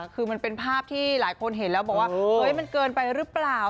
คือมันเป็นภาพที่หลายคนเห็นแล้วบอกว่าเฮ้ยมันเกินไปหรือเปล่า